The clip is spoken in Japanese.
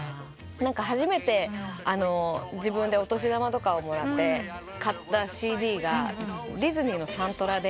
初めて自分でお年玉とかをもらって買ったＣＤがディズニーのサントラで。